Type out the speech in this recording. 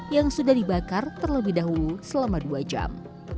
yang sudah dibakar terlebih dahulu selama dua jam